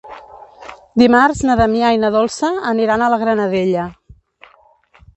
Dimarts na Damià i na Dolça aniran a la Granadella.